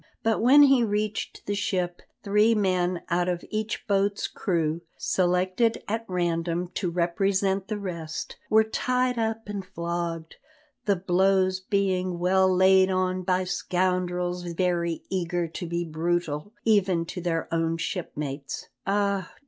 But when he reached the ship, three men out of each boat's crew, selected at random to represent the rest, were tied up and flogged, the blows being well laid on by scoundrels very eager to be brutal, even to their own shipmates. "Ah!